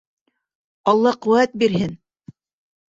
— Алла ҡеүәт бирһен!